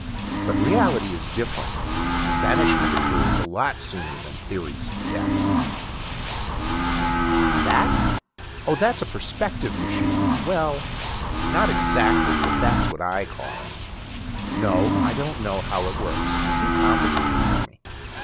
But reality is different; vanishment occurs a lot sooner than theory suggests ..._ Illustrated by Martinez That? Oh, that's a perspective machine. Well, not exactly, but that's what I call it. No, I don't know how it works. Too complicated for me.